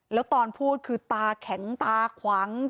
แล้วตอนพูดคือตาแข็งตาขวาง